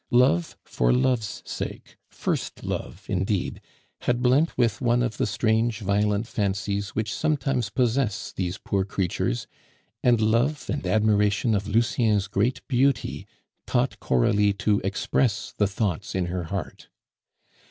Love for love's sake, first love indeed, had blent with one of the strange violent fancies which sometimes possess these poor creatures; and love and admiration of Lucien's great beauty taught Coralie to express the thoughts in her heart.